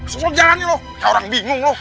semua jalannya loh kayak orang bingung loh